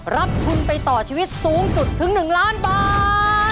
รับทุนไปต่อชีวิตสูงสุดถึง๑ล้านบาท